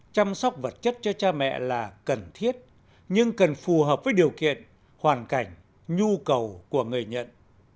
chăm sóc vật chất cho cha mẹ là cần thiết nhưng cần phù hợp với điều kiện hoàn cảnh nhu cầu của người nhận